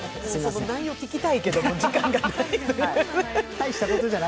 内容聞きたいけれども、時間がないので。